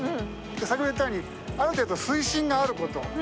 先ほども言ったようにある程度水深があること。